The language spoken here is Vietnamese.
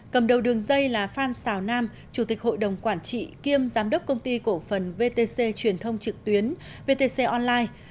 cầm đầu đường dây là phan xào nam chủ tịch hội đồng quản trị kiêm giám đốc công ty cổ phần vtc truyền thông trực tuyến vtc online